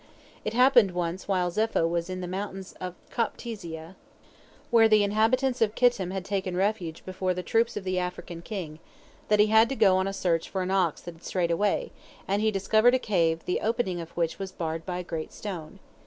It happened once while Zepho was in the mountains of Koptiziah, where the inhabitants of Kittim had taken refuge before the troops of the African king, that he had to go on a search for an ox that had strayed away, and he discovered a cave the opening of which was barred by a great stone.